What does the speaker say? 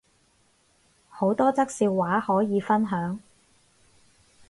好多則笑話可以分享